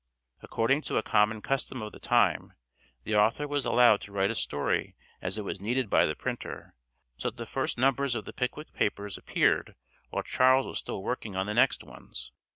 According to a common custom of the time, the author was allowed to write a story as it was needed by the printer, so that the first numbers of the "Pickwick Papers" appeared while Charles was still working on the next ones.